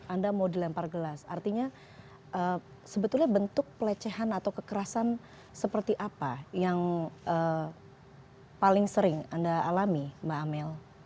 anda mau dilempar gelas artinya sebetulnya bentuk pelecehan atau kekerasan seperti apa yang paling sering anda alami mbak amel